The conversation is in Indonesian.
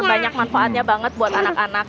banyak manfaatnya banget buat anak anak